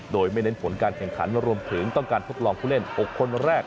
โดยไม่เน้นผลการแข่งขันรวมถึงต้องการทดลองผู้เล่น๖คนแรก